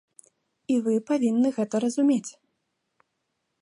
І вы павінны гэта разумець.